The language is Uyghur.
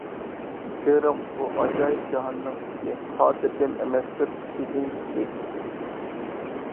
كۆرۈڭ، بۇ ئاجايىپ جاھاننىڭ ئىشى، خاتىرجەم ئەمەستۇر كىشىدىن كىشى.